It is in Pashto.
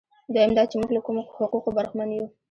دویم دا چې موږ له کومو حقوقو برخمن یو.